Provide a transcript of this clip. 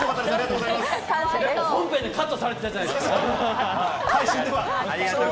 本編でカットされてたじゃないですか！